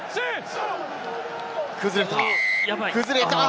崩れたか？